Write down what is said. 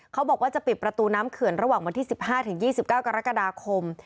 เขาบอกว่าจะปิดประตูน้ำเขื่อนระหว่างวันที่๑๕๒๙กรกฎาคม